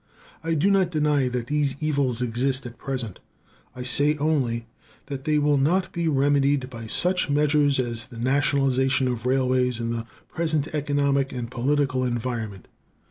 I do not deny that these evils exist at present; I say only that they will not be remedied by such measures as the nationalization of railways in the present economic and political environment.